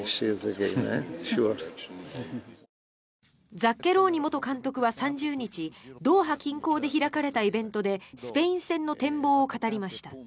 ザッケローニ元監督は３０日ドーハ近郊で開かれたイベントでスペイン戦の展望を語りました。